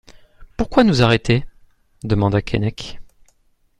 Pourquoi nous arrêter ? demanda Keinec.